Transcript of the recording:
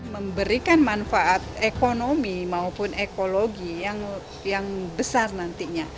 memberikan manfaat ekonomi maupun ekologi yang besar nantinya